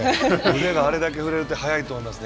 腕をあれだけ手が振れると速いと思いますね。